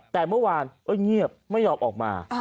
แต่เมื่อวานเงียบไม่ยอมออกมา